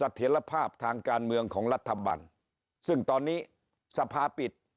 เถียรภาพทางการเมืองของรัฐบาลซึ่งตอนนี้สภาปิด